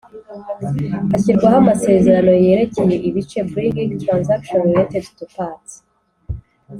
hashyirwaho amasezerano yerekeye ibice bringing transactions related to parts